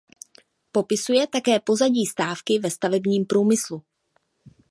Popisuje také pozadí stávky ve stavebním průmyslu.